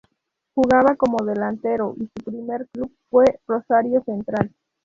Jugaba como delantero y su primer club fue Rosario Central.